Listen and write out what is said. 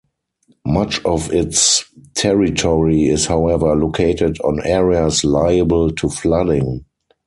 Much of its territory is however located on areas liable to flooding.